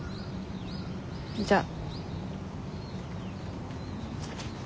じゃあ。